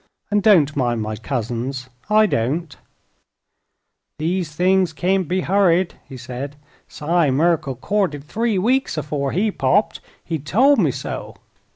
"And don't mind my cousins. I don't." "These things kain't be hurried," he said. "Si Merkle courted three weeks afore he popped. He tol' me so."